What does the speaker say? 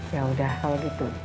ya udah kalau gitu